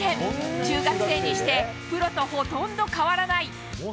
中学生にしてプロとほとんど変わらない。